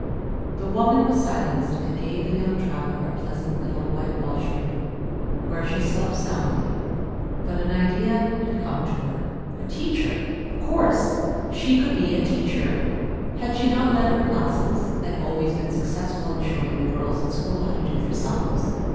The woman was silenced, and gave the young traveller a pleasant little whitewashed room, where she slept soundly. But an idea had come to her. A teacher! Of course, she could be a teacher. Had she not led her classes, and always been successful in showing the girls at school how to do their sums?